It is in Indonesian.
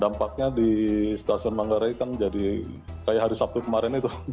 dampaknya di stasiun manggarai kan jadi kayak hari sabtu kemarin itu